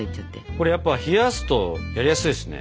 これやっぱ冷やすとやりやすいですね。